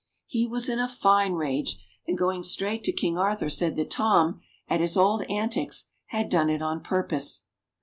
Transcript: He was in a fine rage, and going straight to King Arthur said that Tom, at his old antics, had done it on purpose.